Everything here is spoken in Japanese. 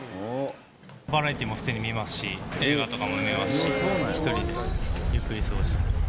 バラエティーも普通に見ますし、映画とかも見ますし、１人でゆっくり過ごしてます。